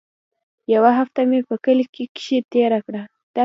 يوه هفته مې په کلي کښې تېره کړه.